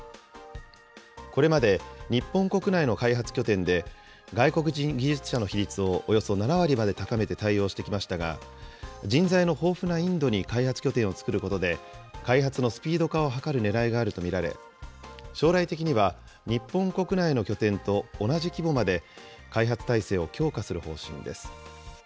これまで日本国内の開発拠点で、外国人技術者の比率をおよそ７割まで高めて対応してきましたが、人材の豊富なインドに開発拠点を作ることで、開発のスピード化を図るねらいがあると見られ、将来的には日本国内の拠点と同じ規模まで開発体制を強化する方針です。